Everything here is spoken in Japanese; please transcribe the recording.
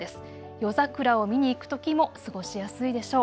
夜桜を見に行くときも過ごしやすいでしょう。